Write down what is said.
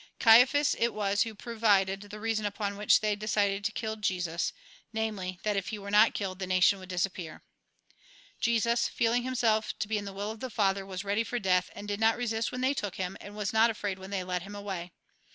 Caiaphas it was who provided the reason upon which they decided to kill Jesus ; namely, that if he were not killed the nation would dis appear. Jesus, feeling himself to be in the will of the Father, was ready for death, and did not resist when they took him, and was not afraid when they led him away.